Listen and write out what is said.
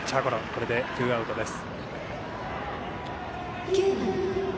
これでツーアウトです。